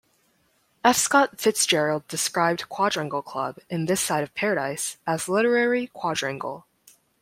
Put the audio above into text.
F. Scott Fitzgerald described Quadrangle Club in "This Side of Paradise" as "Literary Quadrangle.